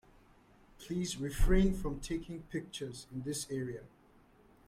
Please refrain from taking pictures in this area.